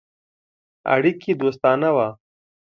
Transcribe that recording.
اړیکي دوستانه وه.